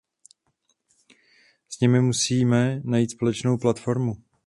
S nimi musíme najít společnou platformu.